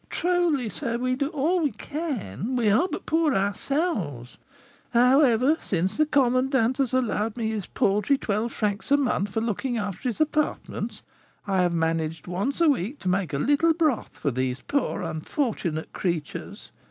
"Truly, sir, we do all we can; we are but poor ourselves; however, since the commandant has allowed me his paltry twelve francs a month for looking after his apartments, I have managed once a week to make a little broth for these poor, unfortunate creatures.